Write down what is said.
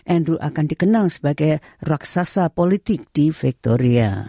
andrew akan dikenal sebagai raksasa politik di victoria